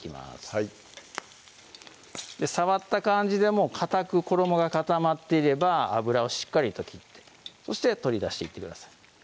はい触った感じでもうかたく衣が固まっていれば油をしっかりと切ってそして取り出していってください